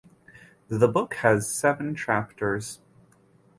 The book has seven chapters.